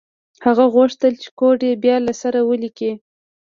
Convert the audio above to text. هغه غوښتل چې کوډ یې بیا له سره ولیکي